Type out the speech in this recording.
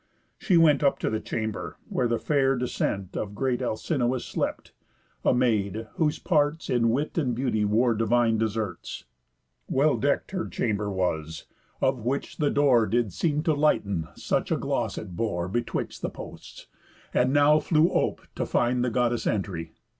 She went Up to the chamber, where the fair descent Of great Alcinous slept; a maid, whose parts In wit and beauty wore divine deserts. Well deck'd her chamber was; of which the door Did seem to lighten, such a gloss it bore Betwixt the posts, and now flew ope to find The Goddess entry.